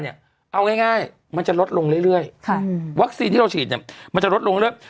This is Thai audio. เอาง่ายมันจะลดลงเรื่อยวัคซีนที่เราฉีดเนี่ยมันจะลดลงเรื่อย